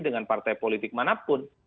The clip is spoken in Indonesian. dengan partai politik manapun